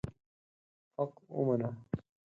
حق ومنه.